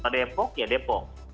depok ya depok